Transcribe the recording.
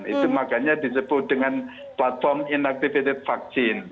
itu makanya disebut dengan platform inactivated vaksin